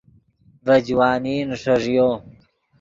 ڤے جوانی نیݰݱیو